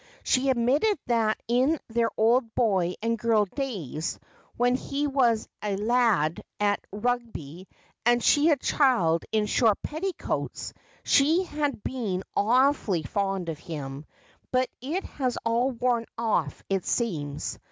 She admitted that in their old boy and girl days, when he was a lad at Rugby and she a child in short petticoats, she had been awfully fond of him ; but it has all worn off, it seems.